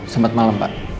selamat malam pak